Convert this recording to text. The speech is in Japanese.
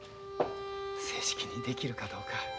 正式にできるかどうか。